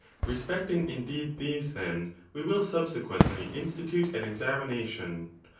Respecting, indeed, these,^ then, we will subsequently institute an examination.